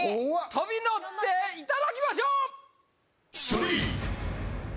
飛び乗っていただきましょう！